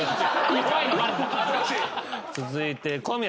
続いて。